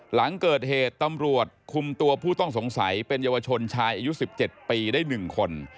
หลังเกิดเหตุตำรวจคุมตัวผู้ต้องสงสัยเป็นเยาวชนชายอายุ๑๗ปีได้๑คน